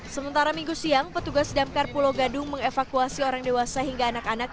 sementara minggu siang petugas damkar pulau gadung mengevakuasi orang dewasa hingga anak anak